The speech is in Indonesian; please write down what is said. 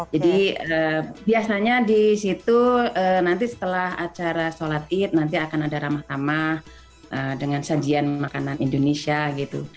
jadi biasanya di situ nanti setelah acara sholat idul fitri nanti akan ada ramah ramah dengan sajian makanan indonesia gitu